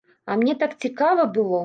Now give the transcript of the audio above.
А мне так цікава было!